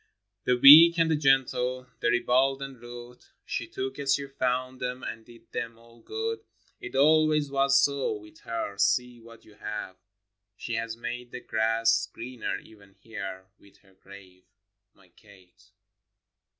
VII. The weak and the gentle, the ribald and rude, She took as she found them, and did them all good: It always was so with her, — see what you have ! She has made the grass greener even here — with her grave — My Kate.